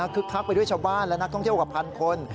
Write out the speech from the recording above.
คักไปด้วยชาวบ้านและนักท่องเที่ยวกว่าพันคน